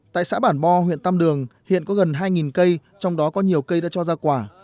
tại xã bản bo huyện tam đường hiện có gần hai cây trong đó có nhiều cây đã cho ra quả